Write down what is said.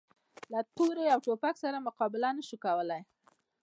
له تورې او توپک سره مقابله نه شو کولای.